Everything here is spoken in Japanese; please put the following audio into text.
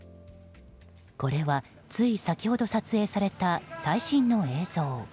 これは、つい先ほど撮影された最新の映像。